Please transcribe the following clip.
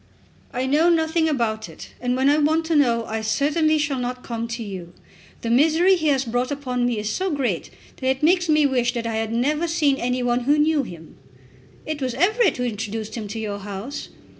"I know nothing about it, and when I want to know I certainly shall not come to you. The misery he has brought upon me is so great that it makes me wish that I had never seen any one who knew him." "It was Everett who introduced him to your house."